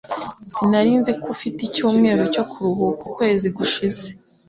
Sinari nzi ko ufite icyumweru cyo kuruhuka ukwezi gushize.